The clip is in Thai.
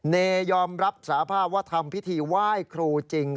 เนยอมรับสาภาพว่าทำพิธีไหว้ครูจริง